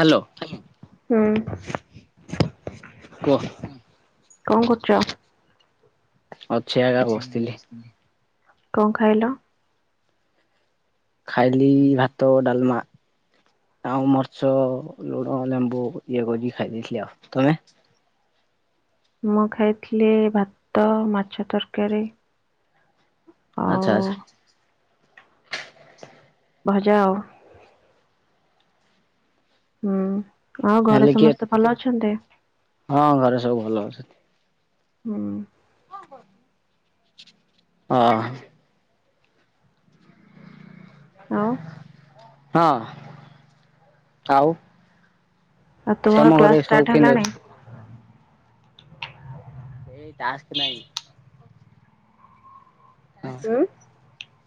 Hello. ହୁଁ କୁହ କଣ କରୁଚ? ଅଛ ଇଆଗା ବସିଥିଲି। କଣ ଖାଇଲ? ଖାଇଲି ଭାତ, ଡାଲମା। ଆଉ ମର୍ଚ ଲୁଣ ଲେମ୍ବୁ ଇଏ କରିକି ଖାଇ ଦେଇଥିଲି ଆଉ। ତମେ ମୁଁ ଖାଇଥିଲି ଭାତ, ମାଛ ତରକାରୀ ଆଉ ଆଚ୍ଛା ଆଚ୍ଛା। ଭଜା ଆଉ। ହୁଁ ଆଉ ଘରେ ହେଲେ କିଏ ସମସ୍ତେ ଭଲ ଅଛନ୍ତି? ହଁ ଘରେ ସବୁ ଭଲ ଅଛନ୍ତି। ହୁଁ। କଣ କରୁଚ? ହଁ। ଆଉ। ହଁ ଆଉ। ଆଉ ତମ ତୁମର ଘରେ କ୍ଲାସ ସବୁ ଷ୍ଟାର୍ଟ କେମିତି ହେଲାଣି? ଏଇ ଟାସ୍କ ନାହିଁ। ହଁ ହୁଁ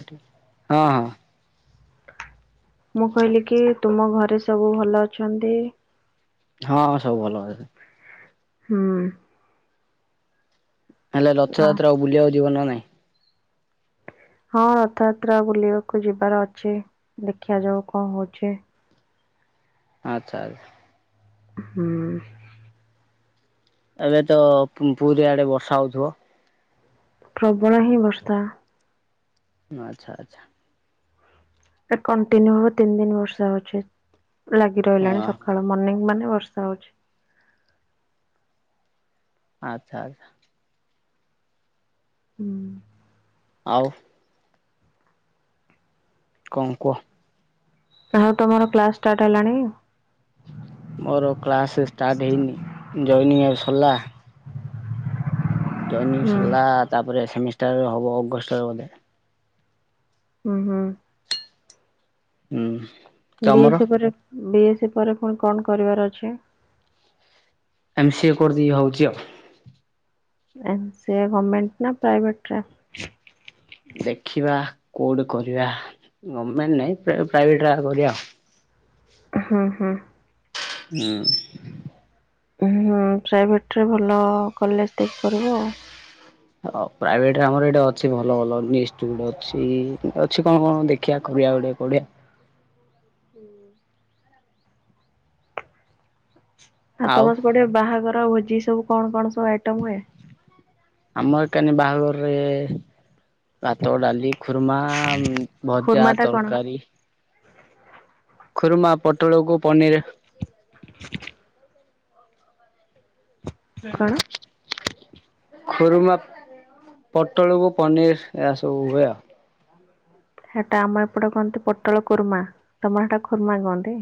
ଆଟେ ହଁ ହଁ। ମୁଁ କହିଲି କି ତୁମ ଘରେ ସବୁ ଭଲ ଅଛନ୍ତି? ହଁ ହଁ ସବୁ ଭଲ ଏବେ। ହୁଁ। ହେଲେ ରଥଯାତ୍ରାକୁ ବୁଲିଆକୁ ଯିବ ନା ନାଇଁ। ହଁ ରଥଯାତ୍ରା ବୁଲିବାକୁ ଯିବାର ଅଛି ଦେଖା ଯାଉ କଣ ହୋଉଚି। ଆଚ୍ଛା ଆଚ୍ଛା। ହୁଁ। ଏବେ ତ ପୁ-ପୁରି ଆଡେ ବର୍ଷା ହୋଉଥିବ। ପ୍ରବଳ ହିଁ ବର୍ଷା। ଉଁ ଆଚ୍ଛା ଆଚ୍ଛା। ଏ କଣ୍ଟିନ୍ୟୁ ହବ ତିନି ଦିନ ବର୍ଷା ହୋଉଚି। ଲାଗି ହଁ ରହିଲାଣି ସ କଳୁ ମର୍ଣିିଂ ମାନେ ବର୍ଷା ହୋଉଚି। ଆଚ୍ଛା ଆଚ୍ଛା। ହୁଁ। ଆଉ। କଣ କୁହ। ଆଉ ତମର କ୍ଲାସ ଷ୍ଟାର୍ଟ ହେଲାଣି? ମୋର କ୍ଲାସେ ଷ୍ଟାର୍ଟ ହେଇନି। ଜଏନିଂ ଏବେ ସରିଲା। ଯଏନିଂ ହୁଁ ସରିଲା ତାପରେ ସେମିଷ୍ଟାର ହବ ଅଗଷ୍ଟରେ ବୋଧେ। ଉଁ ହୁଁ। ହୁଁ। ତମର ବିଏସି ପରେ ବିଏସି ପରେ ପୁଣି କଣ କରିବାର ଅଛି? ଏମ୍ ସିଏ କରିଦେବି ହଉଚି ଆଉ। ଏମ୍ ସିଏ ଗମେଣ୍ଟନା ପ୍ରାଇଭେଟରେ? ଦେଖିବା କୋଉଠି କରିବା ଗମେଣ୍ଟ ନାଇଁ ପ୍ରା ପ୍ରାଇଭେଟରେ କରିବା ଆଉ। ହୁଁ ହୁଁ। ହୁଁ। ହୁଁ ପ୍ରାଇଭେଟରେ ଭଲ କଲେଜ୍ ଦେଖି କରିବ ଆଉ। ହ ପ୍ରାଇଭେଟରେ ଆମର ଏଇଟେ ଅଛି ଭଲ ଭଲ ନିଷ୍ଟ ଗୁଟେ ଅଛି। ଅଛି କଣ କଣ ଦେଖିବା କରିବା ଗୋଟେ ପଢ଼ିବା। ହୁଁ। ଆଉ ତମ ସେପଟେ ବାହାଘର ଭୋଜି ସବୁ କଣ କଣ ସବୁ ଆଇଟମ୍ ହୁଏ? ଆମ ଏକାନି ବାହାଘରରେ ଭାତ, ଡ଼ାଲି ଖୁର୍ମା, ଖୁର୍ମା ଭଜା, ଟା କଣ ତରକାରୀ ଖୁରୁମା ପୋଟଳକୁ ପନିର୍ [inaudible] କଣ? ଖୁରୁମା ପୋଟଳକୁ ପନିର୍ ଏହାସବୁ ହୁଏ ଆଉ। ସେଟା ଆମ ଏପଟେ କହନ୍ତି ପୋଟଳ କୁର୍ମା ତମର ସେଟା ଖୁର୍ମା କହନ୍ତି?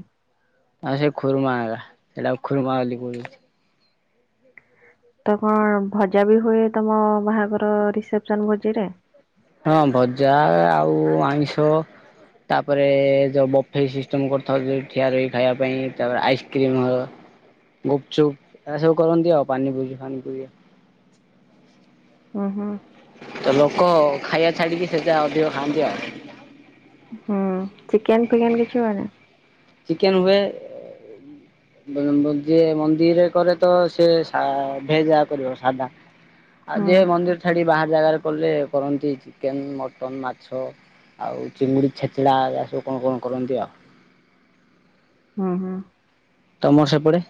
ଆଉ ସେ ଖୁରୁମା ଆଗା ସେଟାକୁ ଖୁର୍ମା ବୋଲି କଉଚନ୍ତି। ତ କଣ ଭଜାବି ହୁଏ ତମ ବାହାଘର ରିସେପସନ୍ ଭୋଜିରେ? ହଁ ଭଜା ଆଉ ଆଇଁଷ ତାପରେ ଯଉ ବଫେଇ ସିଷ୍ଟମ କରିଥାଉ ଯଉ ଠିଆ ରହି ଖାଇବା ପାଇଁ ତାପରେ ଆଇସ୍କ୍ରିମ୍ ହ। ଗୁପଚୁପ୍ ଏଆସବୁ କରନ୍ତି ଆଉ ପାନିପୁରି ଫାନିପୁରି। ଓହୋ। ତଲୋକ ଖାଇଆ ଛାଡ଼ିକି ସେଟା ଅଧିକ ଖାଆନ୍ତି ଆଉ। ହୁଁ ଚିକେନ୍ ଫିକେନ୍ କିଛି ହୁଏନି? ଚିକେନ୍ ହୁଏ। ବ ବ ଯିଏ ମନ୍ଦିରେ କରେତ ସିଏ ଶା ଭେଜା କରିବ ସାଧା। ଆଉ ହୁଁ ଯିଏ ମନ୍ଦିର ଛାଡ଼ି ବାହାରେ ଜାଗାରେ କଲେ କରନ୍ତି ଚିକେନ୍, ମଟନ୍, ମାଛ। ଆଉ ଚିଙ୍ଗୁଡ଼ି ଛେଚଡ଼ା ଏଇଆ ସବୁ କଣ କଣ କରନ୍ତି ଆଉ। ହଁ ହଁ। ତମର ସେପଟେ?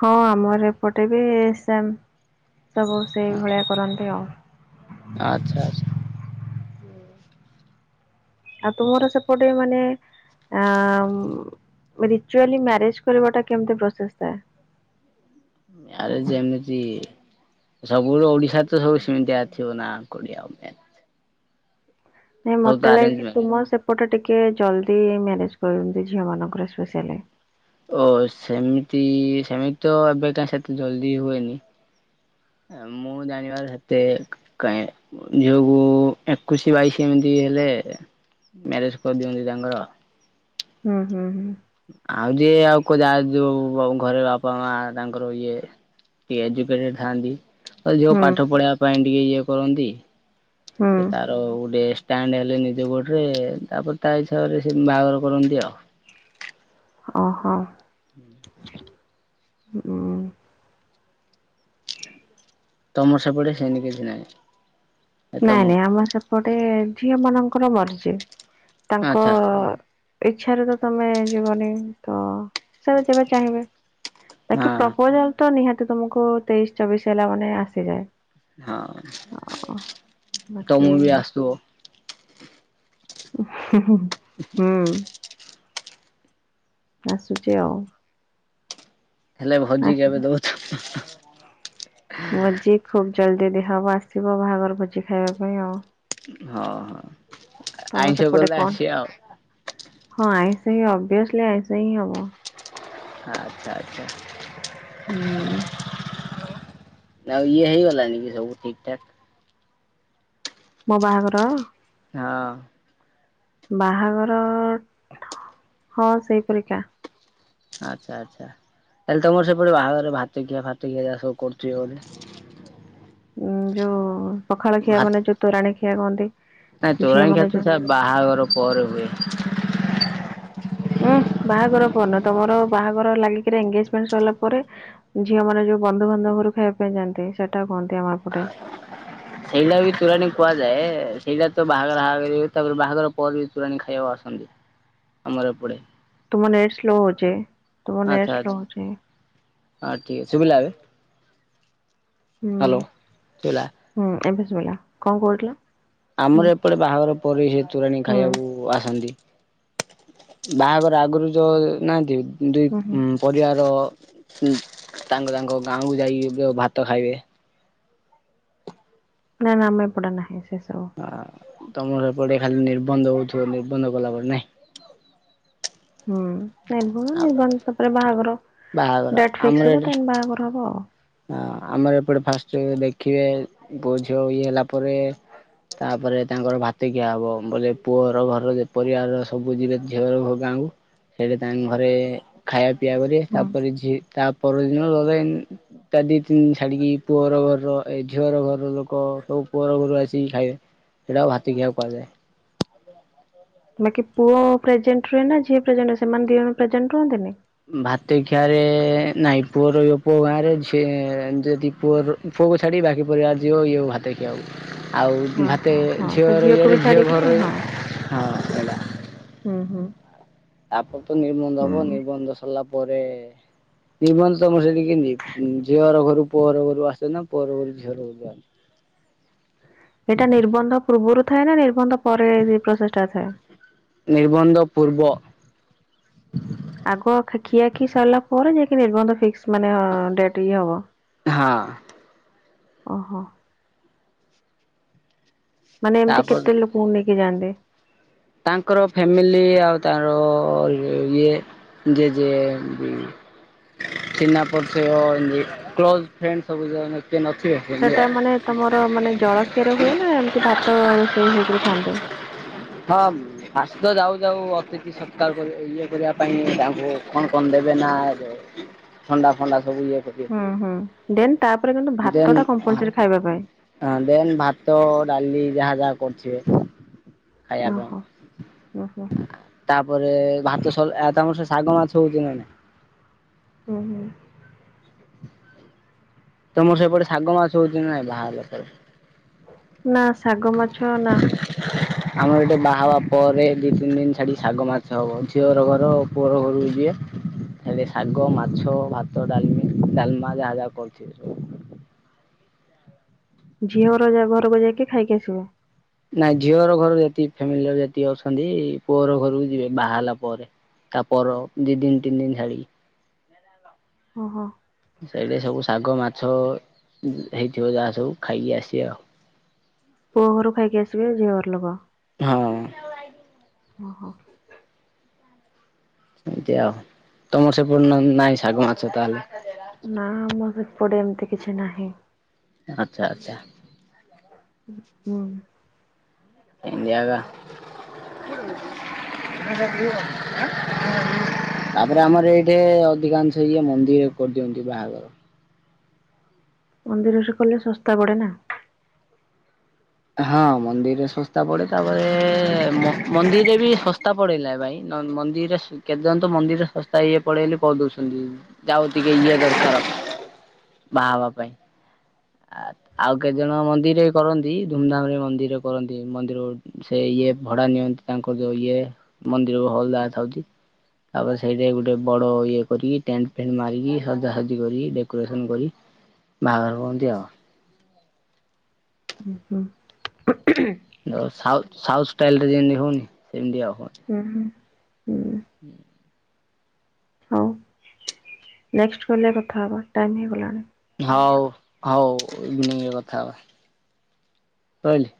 ହଁ ଆମର ଏପଟେବି ସେମ୍ ସବୁ ସେଇ ଭଳିଆ କରନ୍ତି ଆଉ। ଆଚ୍ଛା ଆଚ୍ଛା। ଆଉ ତୁମର ସେପଟେ ମାନେ ଆଁ ରିଚୁଆଲି ମ୍ୟାରେଜ କରିବାଟା କେମିତି ପ୍ରୋସେସ୍ ଥାଏ? ଆରେ ଯେମିତି ସବୁବେଳେ ଓଡିଶାରେତ ସବୁ ସେମିତିଆ ଥିବନା। କୋଡ଼ିଆ [unintelligible] ନାଇଁ ମତେ ଆରେଞ୍ଜ ଲାଗେକିି ମ୍ୟାରେଜ ତୁମ ସେପଟେ ଟିକେ ଜଲ୍ଦି ମ୍ୟାରେଜ କରିନ୍ତି ଝିଅ ମାନଙ୍କର ସ୍ପେସାଲି। ଓ ସେମିତି ସେମିତିତ ଏବେକା ସେତେଟା ଜଲ୍ଦି ହୁଏନି। ମୁଁ ଜାଣିବାରେ ସେତେ କାଇଁ ଝିଅକୁ ଏକୋଇଶି ବାଇଶି ଏମିତି ହେଲେ ମ୍ୟାରେଜ କରିଦିଅନ୍ତି ତାଙ୍କର। ହୁଁ ହୁଁ ହୁଁ। ଆଉ ଯିଏ ଆଉ ଖୋଯା ଯୋଉ ଘ ଘରେ ବାପା ମା ତାଙ୍କର ଇଏ କିଏ ଏଜୁକେଟେଡ୍ ଥାଆନ୍ତି। ଆରେ ଯୋଉ ହୁଁ ପାଠ ପଢା ପାଇଁ ଟିକେ ଇଏ କରନ୍ତି ସେ ତା ହୁଁ ଆଉ ଗୋଟେ ଷ୍ଟାଣ୍ଡ୍ ହେଲେ ନିଜ ଗୋଡ଼ରେ ତାପରେ ତା ହିସାବରେ ସେ ବାହାଘର କରନ୍ତି ଆଉ। ଓ ହୋ। ହୁଁ। ହୁଁ। ତମର ସେପଟେ ସେମିତି କିଛି ନାହିଁ। ତମ ନାଇଁ ନାଇଁ ଆମର ସେପଟେ ଝିଅ ମାନଙ୍କର ବର୍ଷେ ତାଙ୍କ ଆଚ୍ଛା ଆଚ୍ଛା ଇଚ୍ଛାରେ ତ ତମେ ଯିବନି ତ ସେବେ ଯେବେ ଚାହିଁବେ। ବାକି ହଁ। ପ୍ରପୋଜାଲ୍ ତ ନିହାତି ତୁମକୁ ତେଇଶି ଚବିଶ ହେଲା ମାନେ ଆସିଯାଏ। ହଁ ବାକି ତମକୁ ବି ଆସୁଥିବ? ହୁଁ ହୁଁ ହୁଁ ହୁଁ। ଆସୁଛି ଆଉ। ହେଲେ ଭୋଜି ଆସୁ କେବେ ଦଉଛ? ଭୋଜି ଖୁବ୍ ଜଲ୍ଦି ଦିଆହବ ଆସିବ ବାହାଘର ଭୋଜି ଖାଇବା ପାଇଁ ଆଉ। ହଁ ହଁ ତମ ଆଇଁଷ ସେପଟେ କଲେ କଣ? ଆସିବା ଆଉ। ହଁ ଆଇଁଷ ହିଁ ଅଭିଅସ୍ଲି ଆଇଁଷ ହିଁ ହବ। ଆଚ୍ଛା ଆଚ୍ଛା। ହୁଁ। ଆଉ ଇଏ ହେଇଗଲାଣି କି ସବୁ ଠିକ୍ ଠାକ୍? ମୋ ବାହାଘର? ହଁ। ବାହାଘର ହଁ ସେଇ ପରିକା। ଆଚ୍ଛା ଆଚ୍ଛା ତାହେଲେ ତମର ସେପଟେ ବାହାଘର ରେ ଭାତଖିଆ ଫାତଖିଆ ଯାହା ସବୁ କରୁଥିବ ତାହେଲେ? ଉଁ ଯୋଉ ପଖାଳ ଭା ଖିଆ ମାନେ ଯୋଉ ତୋରାଣୀ ଖିଆ କୁହନ୍ତି। ନାଇଁ ତୋରାଣି ଖିଆତ ସେ ବାହାଘର ପରେ ହୁଏ। ଉୁଁ ବାହାଘର ପରେ ନୁହଁ ତମର ବାହାଘର ଲାଗିକିରି ଏନଗେଜମେଣ୍ଟ୍ ସରିଲା ପରେ ଝିଅ ମାନେ ଯୋଉ ବନ୍ଧୁବାନ୍ଧବ ଘରକୁ ଖାଇବା ପାଇଁ ଯାଆନ୍ତି ସେଇଟାକୁ କୁହନ୍ତି ଆମ ଏପଟେ। ସେଇଟା ବି ତୋରାଣି କୁହାଯାଏ ସେଇଟା ତ ବାହାଘର ଆଗୁରୁ ତାପରେ ବାହାଘର ପରେ ତୋରାଣି ଖାଇବାକୁ ଆସନ୍ତି ଆମର ଏପଟେ। ତୁମ ନେଟ୍ ସ୍ଲୋ ହଉଛି ତୁମ ନେଟ୍ ସ୍ଲୋ ହଉଛି। ଆ ଠିକ୍ ଶୁଭିଲା ଏବେ? ହୁଁ ହ୍ୟାଲୋ ଶୁଭିଲା। ହୁଁ ଏବେ ଶୁଭିଲା କଣ କହୁଥିଲ? ହୁଁ ଆମର ଏପଟେ ବାହାଘର ପରେ ସେ ତୋରାଣି ହୁଁ ଖାଇବାକୁ ଆସନ୍ତି ବାହାଘର ଆଗରୁ ଯୋ ନାହାନ୍ତି ଦୁଇ ହୁଁ ହୁଁ। ଉଁ ପରିବାର ଉଁ ତାଙ୍କ ତାଙ୍କ ଗାଁ କୁ ଯାଇକି ଯୋଉ ଭାତ ଖାଇବେ। ନାଁ ନାଁ ଆମ ଏପଟରେ ନାହିଁ ସେ ସବୁ। ଆ ତମର ଏପଟେ ଖାଲି ନିର୍ବନ୍ଧ ହଉଥିବ ନିର୍ବନ୍ଧ କଲା ପରେ ନାଇଁ? ହୁଁ ନିର୍ବନ୍ଧ ଆଉ ନିର୍ବନ୍ଧ ତାପରେ ବାହାଘର ବାହାଘର ଡେଟ୍ ଆମର ଫିକ୍ସ ହବ ଏଠି ତାପରେ ବାହାଘର ହବ ଆଉ। ହଁ ଆମର ଏପଟେ ଫାଷ୍ଟ୍ ଦେଖିବେ ପୁଅ ଝିଅ ଇଏ ହେଲା ପରେ ତାପରେ ତାଙ୍କର ଭାତ ଖିଆ ହବ ବୋଲେ ପୁଅଘର ଘରର ପରିବାର ସବୁ ଯିବେ ଝିଅର ଘ ଗାଁ କୁ ତାଙ୍କ ଘରେ ଖାଇବା ପିଇଆ କରିବେ ହୁଁ। ତାପରେ ଝି ତା ପରଦିନ ଗଲେ ତା ଦି ତିନି ଦିନ ଛାଡିକି ପୁଅର ଘର ଏ ଝିଅର ଘର ଲୋକ ସବୁ ପୁଅର ଘରୁ ଆସିକି ଖାଇବେ। ସେଇଟାକୁ ଭାତ ଖିଆ କୁହାଯାଏ। ବାକି ପୁଅ ପ୍ରେଜେଣ୍ଟ୍ ରୁହେ ନା ଝିଅ ପ୍ରେଜେଣ୍ଟ୍ ରୁହେ ସେମାନେ ଦି ଜଣ ପ୍ରେଜେଣ୍ଟ୍ ରୁହନ୍ତିନି? ଭାତେ ଖିଆରେ ନାଇଁ ପୁଅ ରହିବ ପୁଅ ଗାଁରେ ଝି-ଯଦି ପୁଅର ଫୁଅକୁ ଛାଡି ବା ଆଉ- ଆଉ ହଁ ଭାତେ ହଁ ହଁ ସେ ଝିଅର ଝିଅକୁ ବି ଇଏରେ ଝିଅ ଛାଡିକିରି ଘରେ ହଁ ରହି- ହଁ ହେଲା। ହୁଁ- ହୁଁ। ତାପରେ ତ ନିର୍ବନ୍ଧ ହବ ହୁଁ। ନିର୍ବନ୍ଧ ସରିଲା ପରେ ନିର୍ବନ୍ଧ ତମର ସେଇଠି କେମିତି ଝିଅ ହର ଘରୁ ପୁଅ ହର ଘରୁ ଆସେ ନା ପୁଅ ହର ଘରୁ ଝିଅର ସେଟା ନିର୍ବନ୍ଧ ପୂର୍ବରୁ ଥାଏ ନା ନିର୍ବନ୍ଧ ପରେ ଏଇ ପ୍ରୋସେସ୍ ଟା ଥାଏ? ନିର୍ବନ୍ଧ ପୂର୍ବ ଆଗ ଖି-ଖିଆ ଖିଇ ସରିଲା ପରେ ଯାଇକି ନିର୍ବନ୍ଧ ଫିକ୍ସ୍ ମାନେ ଡେଟ୍ ଇଏ ହବ। ହଁ। ଓହୋ। ମାନେ ଏମିତି କେତେ ତାପରେ ଲୋକଙ୍କୁ ନେଇକି ଯାଆନ୍ତି। ତାଙ୍କର ଫ୍ୟାମିଲି ଆଉ ତାର ଇଏ ଯିଏ ଯିଏ ଚିହ୍ନା ପରିଚୟ ଏମିତି କ୍ଲୋଜ୍ ଫ୍ରେଣ୍ଡ ସବୁ ଯଉମାନେ କିଏ ନଥିବ। ସେଟା ମାନେ ତମର ମାନେ ଜଳଖିଆରେ ହୁଏ ନା ଏମିତି ଭାତ ରୋଷେଇ ହେଇକରି ଖାଆନ୍ତି? ହଁ। ଆସ ଯାଉ ଯାଉ ଅତିଥି ସତ୍କାର କରି-ଇଏ କରିବା ପାଇଁ ତାଙ୍କୁ କଣ କରିଦେବେ ନା ଥଣ୍ଡା ଫଣ୍ଡା ସବୁ ଇଏ କରି ହୁଁ ହୁଁ ଦେନ୍ ତାପରେ କିନ୍ତୁ ଭାତ ଟା କମ୍ପଲସରି ଖାଇବା ପାଇଁ। ହଁ ଦେନ୍ ଭାତ ଡାଲି ଯାହା ଯାହା କରୁଥିବେ। ଖାଇବା ଓହୋ। ହୁଁ ହୁଁ ପାଇଁ ତାପରେ ଭାତ ସଲେ ଆ-ତମର ସେ ଶାଗ ମାଛ ହଉଚି ନା ନାଇ? ହୁଁ -ହୁଁ। ତମର ସେପଟେ ଶାଗ ମାଛ ହଉଚି ନାଇଁ ବାହା [unintelligible] ନା ଶାଗ ମାଛ ନା। ଆମର ଏଠେ ବାହାଘର ପରେ ଦି ତିନି ଦିନ ଛାଡି ଶାଗ ମାଛ ହବ ଝିଅର ଘର ପୁଅହର ଘରକୁ ଯିବେ। ହେଲେ ଶାଗ, ମାଛ, ଭାତ, ଡାଲ୍- ଡାଲ୍ମା ଯାହା ଯାହା କରୁଥିବେ ସବୁ। ଝିଅ ହର ଯା- ଘରକୁ ଯାଇକି ଖାଇକି ଆସିବୁ। ନାଇଁ ଝିଅହର ଘର ଯେତିକି ଫ୍ୟାମିଲି ର ଯେତିକି ଅଛନ୍ତି ପୁଅହର ଘରକୁ ଯିବେ ବାହା ହେଲା ପରେ। ତାପର ଦି- ଦିନ୍ ତିନି ଦିନ୍ ଛାଡିକି। ଓହୋ। ସେଇଠେ ସବୁ ଶାଗ ମାଛ ହେଇଥିବ ଯାହା ସବୁ ଖାଇକି ଆସିବା ଆଉ। ପୁଅ ଘରୁ ଖାଇକି ଆସିବେ ଝିଅ ଘର ଲୋକ? ହଁ। ଓହୋ। ଏମତି ଆଉ ତମର ସେପଟେ ନାଇଁ ଶାଗ ମାଛ ତାହେଲେ। ନା ଆମର ଏପଟେ ଏମିତି କିଛି ନାହିଁ। ଆଚ୍ଛା -ଆଚ୍ଛା। ହଁ। ଇଣ୍ଡିଆ କା। ତାପରେ ଆମର ଏଇଠି ଅଧିକାଂଶ ଇଏ ମନ୍ଦିର କରିଦିଅନ୍ତି ବାହାଘର। ମନ୍ଦିରରେ [unintelligible] କଲେ ଶସ୍ତା ପଡେ ନା। ହଁ ମନ୍ଦିରରେ ଶସ୍ତା ପଡେ ତାପରେ ମନ୍ଦିରରେ ବି ଶସ୍ତା ପଡିଲା ଭାଇ। ମନ୍ଦିର କେଦାରନାଥ ମନ୍ଦିରରେ ଶସ୍ତା ହେଏ ପଡେ ବୋଲି କରି ଦଉଛନ୍ତି। ଯାଉ ଟିକେ ଇଏ [unintelligible] ବାହା ହେବା ପାଇଁ। ଆ ଆଉ କେତେ ଜଣ ମନ୍ଦିରରେ କରନ୍ତି। ଧୁମଧାମ ରେ ମନ୍ଦିର କରନ୍ତି ମନ୍ଦିରରୁ ସେ ଇଏ ଭଡା ନିଅନ୍ତି ତାଙ୍କର ଯୋଉ ଇଏ। ମନ୍ଦିର ହଲ ଯା [unintelligible] ତାପ ସେଇଠ ଗୋଟେ ବଡ ଇଏ କରିକି ଟେଣ୍ଟ ଫେଣ୍ଟ ମାରିକି ସଜାସଜି କରି ଡେକୋରେସନ କରି ବାହାଘର କୁହନ୍ତି ଆଉ। [unintelligible] ଉ ସାଉଥ ସାଉଥ୍ ଷ୍ଟାଇଲ ରେ ଯେମିତି ହୋଉନି ସେମିତି [unintelligible] ହୁଁ ହୁଁ ହୁଁ। ହୁଁ। ହଉ ନେଷ୍ଟ କଲରେ କଥା ହବା ଟାଇମ ହେଇଗଲାଣି। ହଉ ହଉ ଇଭନିଙ୍ଗରେ କଥା ରହିଲି।